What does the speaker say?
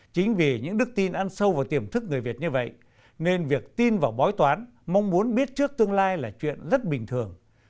chính vì những đức tin ăn sâu vào tiềm thức người việt như vậy nên việc tin vào bói toán mong muốn biết trước tương lai là chuyện rất bình thường